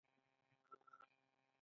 د کولیسټرول د کمولو لپاره څه شی وکاروم؟